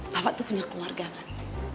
bapak tuh punya keluarga kan